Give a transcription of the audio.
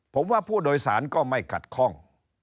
ผมว่าผู้โดยศาลก็ไม่กัดคล่อง